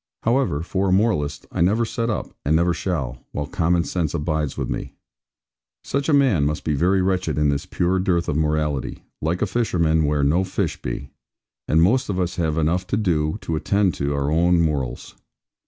However, for a moralist, I never set up, and never shall, while common sense abides with me. Such a man must be very wretched in this pure dearth of morality; like a fisherman where no fish be; and most of us have enough to do to attend to our own morals.